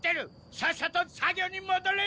さっさと作業に戻れ！